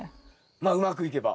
まあうまくいけば。